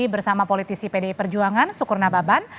bersama politisi pdi perjuangan sukur nababan